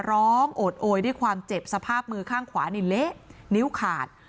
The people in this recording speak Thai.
โอดโอยด้วยความเจ็บสภาพมือข้างขวานี่เละนิ้วขาด